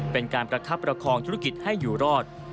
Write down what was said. เป็นการประคับประคองธุรกิจให้อยู่รอด